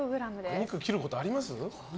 お肉切ることあります？